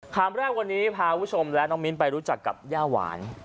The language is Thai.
คำแรกวันนี้พาคุณผู้ชมและน้องมิ้นไปรู้จักกับย่าหวาน